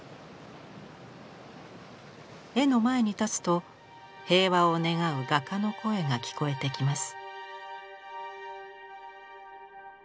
絵の前に立つと平和を願う画家の声が聞こえてきます。